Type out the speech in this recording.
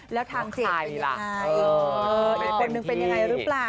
แล้วทางเจดเป็นยังไง